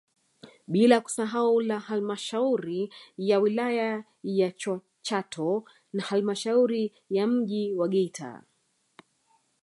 Blia kusahau halmashauri ya wilaya ya Chato na halmasahauri ya mji wa Geita